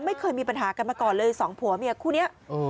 ไม่เคยมีปัญหากันมาก่อนเลยสองผัวเมียคู่นี้